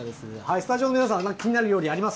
スタジオの皆さん、何か気になる料理、あります？